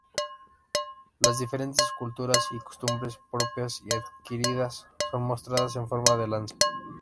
Las diferentes culturas y costumbres propias y adquiridas son mostradas en forma de danza.